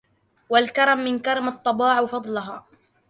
والكرم من كرم الطباع وفضلها